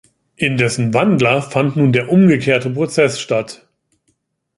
In dessen Wandler fand nun der umgekehrte Prozess statt.